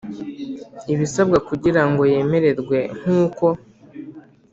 ibisabwa kugira ngo yemererwe nk uko